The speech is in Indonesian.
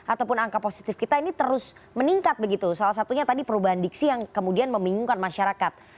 ataupun angka positif kita ini terus meningkat begitu salah satunya tadi perubahan diksi yang kemudian membingungkan masyarakat